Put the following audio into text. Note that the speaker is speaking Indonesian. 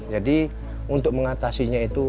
jadi untuk mengatasinya itu